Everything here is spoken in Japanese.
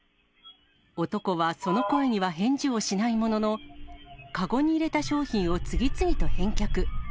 男はその声には返事をしないものの、籠に入れた商品を次々と返却。